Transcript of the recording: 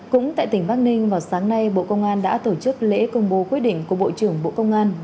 cũng tại tỉnh bắc ninh vào sáng nay bộ công an đã tổ chức lễ công bố quyết định của bộ trưởng bộ công an